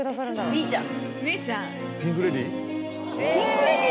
ミーちゃん。